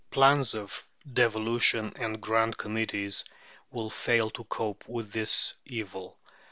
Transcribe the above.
Plans of devolution and Grand Committees will fail to cope with this evil.